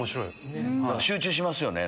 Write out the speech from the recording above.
集中しますよね。